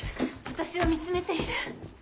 私を見つめている！